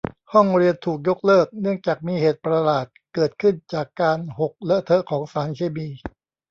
ห้องเรียนถูกยกเลิกเนื่องจากมีเหตุประหลาดเกิดขึ้นจากการหกเลอะเทอะของสารเคมี